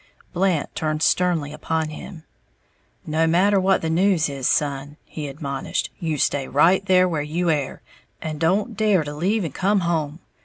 Blant turned sternly upon him. "No matter what the news is, son," he admonished, "you stay right there where you air, and don't dare to leave and come home.